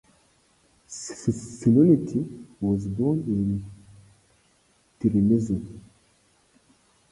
Spinotti was born in Tolmezzo.